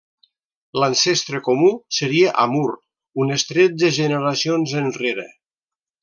L'ancestre comú seria Amur, unes tretze generacions enrere.